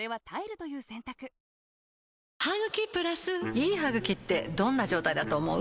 いい歯ぐきってどんな状態だと思う？